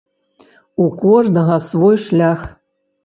У кожнага свой шлях.